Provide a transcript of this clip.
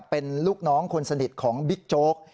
เป็นลูกน้องคนสนิทของบิ๊กโจ๊ก